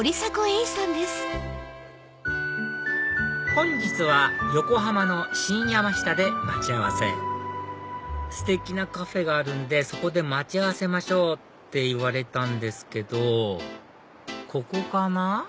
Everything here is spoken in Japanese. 本日は横浜の新山下で待ち合わせ「ステキなカフェがあるんでそこで待ち合わせましょう」って言われたんですけどここかな？